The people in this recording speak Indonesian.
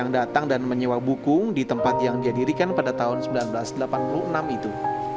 yang datang dan menyewa bukung di tempat yang dia dirikan pada tahun seribu sembilan ratus delapan puluh enam itu